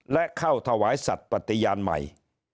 และเข้าถวายสัตว์ปฏิญาณใหม่